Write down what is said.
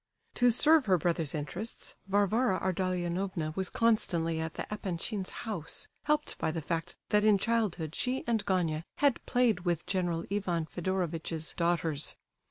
To serve her brother's interests, Varvara Ardalionovna was constantly at the Epanchins' house, helped by the fact that in childhood she and Gania had played with General Ivan Fedorovitch's daughters.